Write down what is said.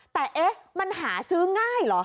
แต่เอ๊ะมันหาซื้อง่ายเหรอ